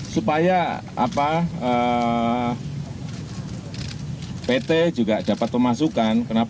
supaya pt juga dapat memasukkan